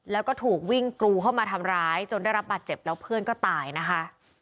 แล้วก็ถูกวิ่งกรูเข้ามาทำร้ายจนได้รับบาดเจ็บแล้วเพื่อนก็ตายนะคะ